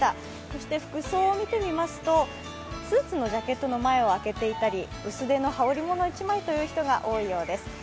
そして服装を見て見ますとスーツのジャケットの前を開けていたり薄手の羽織り物１枚という人が多いようです。